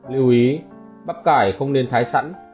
lưu ý bắp cải không nên thái sẵn